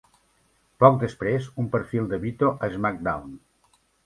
Poc després, un perfil de Vito a SmackDown!